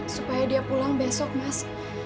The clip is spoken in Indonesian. supaya dia pulang besok mas